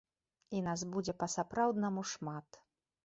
І нас будзе па-сапраўднаму шмат!